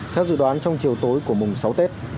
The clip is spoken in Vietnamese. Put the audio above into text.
theo dự đoán trong chiều tối của mùng sáu tết